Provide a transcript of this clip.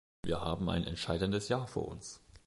Wir haben ein entscheidendes Jahr vor uns.